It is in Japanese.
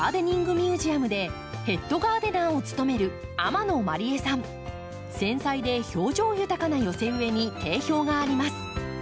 ミュージアムでヘッドガーデナーを務める繊細で表情豊かな寄せ植えに定評があります。